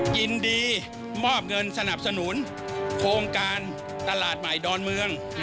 ยินดีมอบเงินสนับสนุนโครงการตลาดใหม่ดอนเมือง